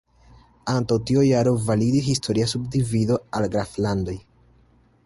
Antaŭ tiu jaro validis historia subdivido al "graflandoj".